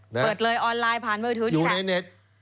เปิดเลยออนไลน์ผ่านเมือถือที่แท็กอยู่ในเน็ต